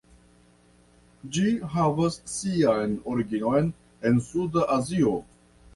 Ĝi havas sian originon en Suda Azio.